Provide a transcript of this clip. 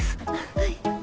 はい。